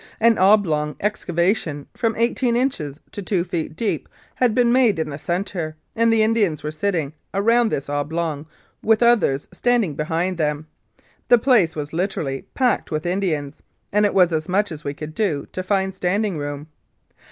An oblong excavation from eighteen inches to two feet deep had been made in the centre, and Indians were sitting around this oblong with others standing behind them. The place was literally packed with Indians, and it was as much as we could do to find standing room.